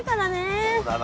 そうだな。